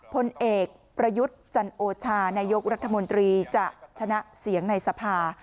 พลเอกประยุทธ์จันโอชานายกรัฐมนตรีจะชนะเสียงในสภา